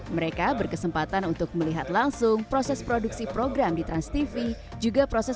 mereka berkesempatan untuk melihat langsung proses produksi program di transtv juga proses